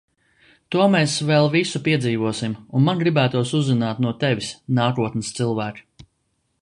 To mēs vēl visu piedzīvosim! Un man gribētos uzzināt no tevis, nākotnes cilvēk.